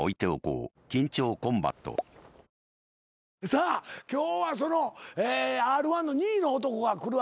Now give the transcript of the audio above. さあ今日はそのＲ−１の２位の男が来るわけやな。